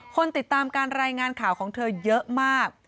คนติดตามการรายงานข่าวของเธอเยอะมาก